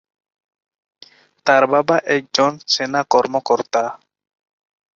তার বাবা একজন সেনা কর্মকর্তা।